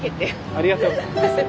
ありがとうございます。